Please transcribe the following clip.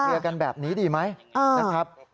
เคลียร์กันแบบนี้ดีไหมนะครับ